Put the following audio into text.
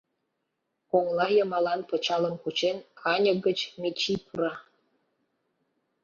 Коҥла йымалан пычалым кучен, аньык гыч Мичий пура.